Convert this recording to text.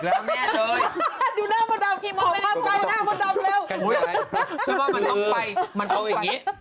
เอาอย่างงี้